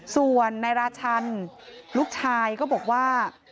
ส่วนในราชรรพ์ลูกชายก็บอกว่า